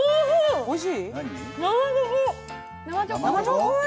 おいしい。